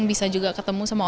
bisa juga ketemu semuanya